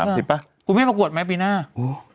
กูยังไม่ปรากวดไหมปีหน้าฮือฮือฮือ